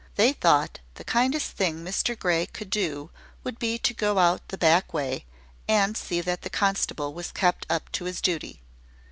They thought the kindest thing Mr Grey could do would be to go out the back way, and see that the constable was kept up to his duty.